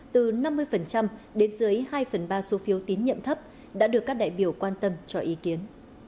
từ năm mươi đến dưới hai phần ba số phiếu tín nhiệm thấp đã được các đại biểu quan tâm cho ý kiến